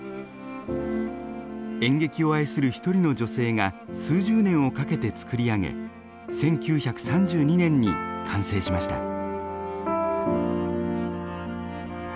演劇を愛する一人の女性が数十年をかけてつくり上げ１９３２年に完成しました。